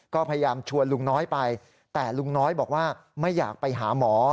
ก็พยายามชวนลุงน้อยไปแต่ลุงน้อยบอกว่าไม่อยากไปหาหมอ